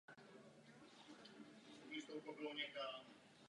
Krátce nato Ondřej zemřel.